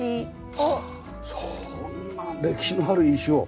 そんな歴史のある石を。